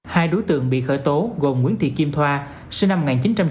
hai đối tượng bị khởi tố gồm nguyễn thị kim thoa sinh năm một nghìn chín trăm tám mươi